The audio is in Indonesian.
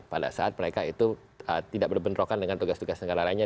pada saat mereka itu tidak berbentrokan dengan tugas tugas negara lainnya